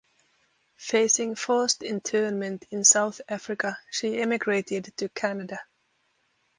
Facing forced internment in South Africa, she emigrated to Canada.